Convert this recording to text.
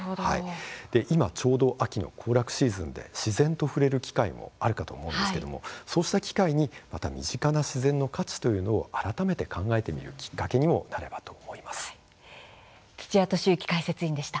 今ちょうど秋の行楽シーズンで自然と触れる機会もあるかと思うんですがそうした機会にまた身近な自然の価値というのは改めて考えてみる土屋敏之解説委員でした。